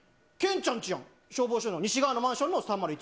ちやん、消防署の西側のマンションの３０１。